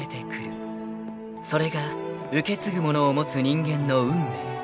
［それが受け継ぐものを持つ人間の運命］